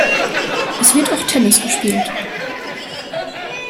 Es wird auch Tennis gespielt.